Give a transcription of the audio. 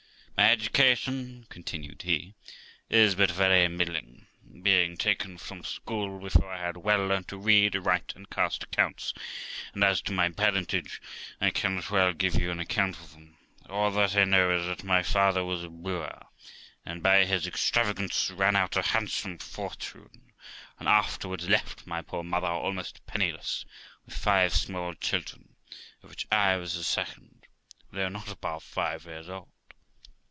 My education', continued he, 'is but very middling, being taken from school before I had well learnt to read, write, and cast accounts | and, as to my parentage, I cannot well give you any account of them : all that I know is, that my father was a brewer, and by his extravagance ran out a handsome fortune, and afterwards left my poor mother almost penniless, with five small children, of which I was the second, though not above five years old.